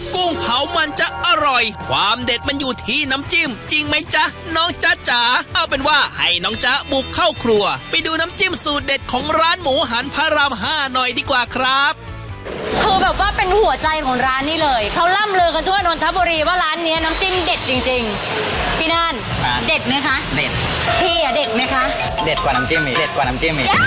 กุ้งเผามันจะอร่อยความเด็ดมันอยู่ที่น้ำจิ้มจริงไหมจ๊ะน้องจ๊ะจ๋าเอาเป็นว่าให้น้องจ๊ะบุกเข้าครัวไปดูน้ำจิ้มสูตรเด็ดของร้านหมูหันพระรามห้าหน่อยดีกว่าครับคือแบบว่าเป็นหัวใจของร้านนี้เลยเขาล่ำเลอกันทั่วโน้นทะบุรีว่าร้านเนี้ยน้ำจิ้มเด็ดจริงจริงพี่น่านค่ะเด็ดไหมคะ